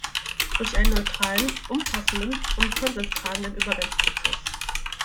Durch einen neutralen, umfassenden und konsensgetragenen Übergangsprozess.